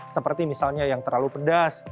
seperti misalnya yang terlalu pedas